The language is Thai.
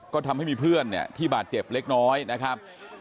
ก็ทำให้มีเพื่อนเนี่ยที่บาดเจ็บเล็กน้อยนะครับ